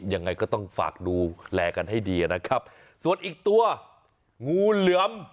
ยังไงก็ต้องฝากดูแลกันให้ดีนะครับส่วนอีกตัวงูเหลือม